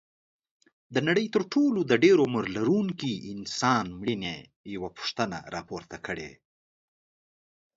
د نړۍ تر ټولو د ډېر عمر لرونکي انسان مړینې یوه پوښتنه راپورته کړې.